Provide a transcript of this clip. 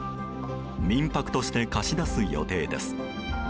民泊として貸し出す予定です。